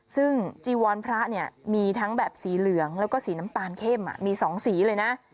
ซึ่งจีวรพระเนี่ยมีทั้งแบบสีเหลืองแล้วก็สีน้ำตาลเข้มมี๒สีเลยนะ